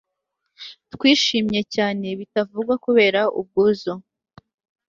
twishimye cyane bitavugwa kubera ubwuzu